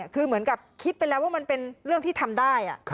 คือเหมือนกับคิดไปแล้วว่ามันเป็นเรื่องที่ทำได้